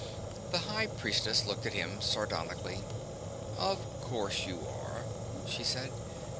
The High Priestess looked at him sardonically. "Of course you are," she said.